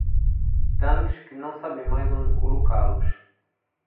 Tantos que não sabem mais onde colocá-los.